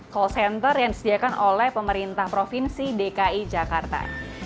call center yang disediakan oleh pemerintah provinsi dki jakarta